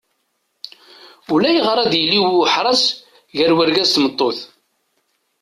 Ulayɣer ad yili uḥras gar urgaz d tmeṭṭut.